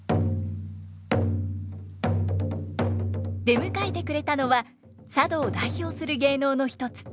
出迎えてくれたのは佐渡を代表する芸能の一つ鬼太鼓。